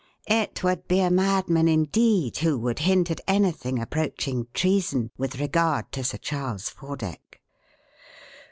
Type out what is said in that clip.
"It would be a madman indeed who would hint at anything approaching treason with regard to Sir Charles Fordeck."